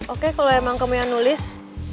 oke kalau emang kamu yang nulis